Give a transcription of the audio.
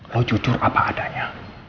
lo jujur apa adanya